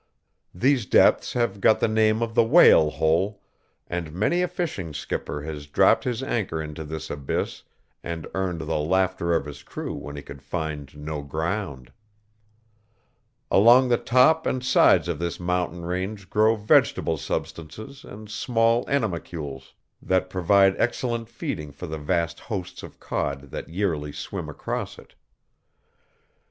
These depths have got the name of the Whale Hole, and many a fishing skipper has dropped his anchor into this abyss and earned the laughter of his crew when he could find no ground. Along the top and sides of this mountain range grow vegetable substances and small animalcules that provide excellent feeding for the vast hosts of cod that yearly swim across it.